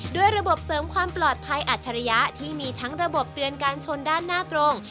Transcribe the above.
ด้วยระบบเสริมความปลอดภัยอัจฉริยะที่มีทั้งระบบเตือนการชนด้านหน้าตรง